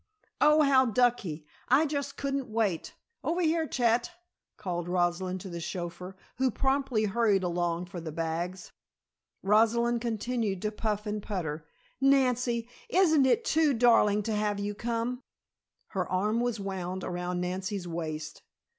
"Oh, how ducky! I just couldn't wait. Over here. Chet!" called Rosalind to the chauffeur, who promptly hurried along for the bags. Rosalind continued to puff and putter. "Nancy! Isn't it too darling to have you come?" Her arm was wound around Nancy's waist.